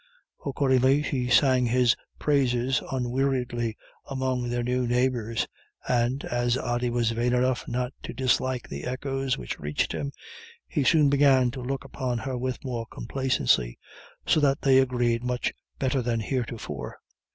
Accordingly she sang his praises unweariedly among their new neighbours, and, as Ody was vain enough not to dislike the echoes which reached him, he soon began to look upon her with more complacency, so that they agreed much better than heretofore.